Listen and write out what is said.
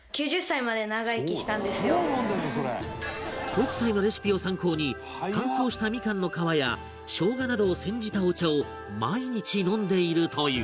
北斎のレシピを参考に乾燥したみかんの皮や生姜などを煎じたお茶を毎日飲んでいるという